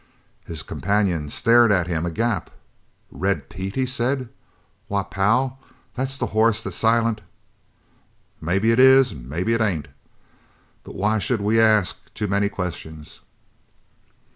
His companion stared at him agape. "Red Pete!" he said. "Why, pal, that's the hoss that Silent " "Maybe it is an' maybe it ain't. But why should we ask too many questions?"